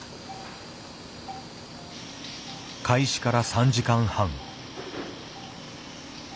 開始から３時間半。